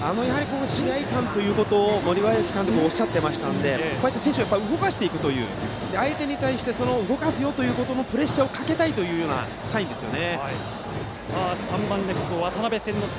試合勘ということを森林監督がおっしゃっていたのでこうやって選手を動かしていくという相手に対して、動かすよということで、プレッシャーをバッターは３番レフト、渡邉千之亮。